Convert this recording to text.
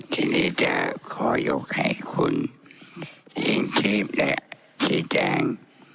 ทีนี้จะขอยกให้คุณหญิงทีพและชีแจง